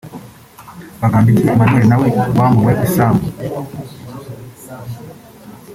Bagambiki Emmanuel nawe wambuwe isambu